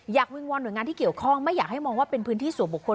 วิงวอนหน่วยงานที่เกี่ยวข้องไม่อยากให้มองว่าเป็นพื้นที่ส่วนบุคคล